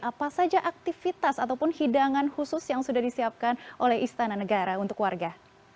apa saja aktivitas ataupun hidangan khusus yang sudah disiapkan oleh istana negara untuk warga